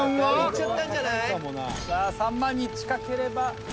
さあ３万に近ければ。